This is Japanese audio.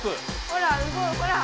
ほらほら。